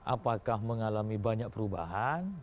apakah mengalami banyak perubahan